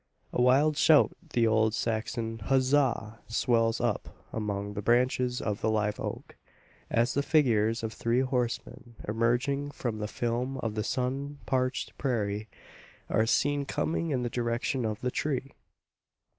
A wild shout the old Saxon "huzza," swells up among the branches of the live oak, as the figures of three horsemen emerging from the film of the sun parched prairie are seen coming in the direction of the tree!